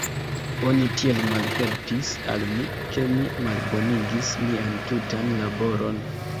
Oni tiel malhelpis al mi, ke mi malbonigis mian tutan laboron.